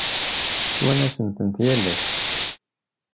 Ttwanasen-tent yal ass.